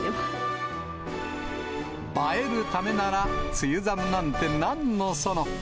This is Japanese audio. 映えるためなら、梅雨寒なんてなんのその。